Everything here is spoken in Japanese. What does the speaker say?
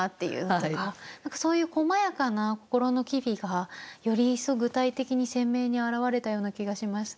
何かそういうこまやかな心の機微がより一層具体的に鮮明に表れたような気がしました。